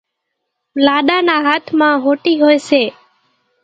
لاڏا نا هاٿ مان ۿوٽِي هوئيَ سي۔